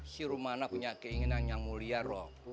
si rumana punya keinginan yang mulia roh